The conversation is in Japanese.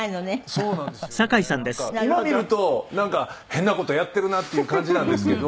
今見るとなんか変な事やってるなっていう感じなんですけど。